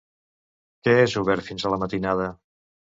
Què és Obert fins a la matinada?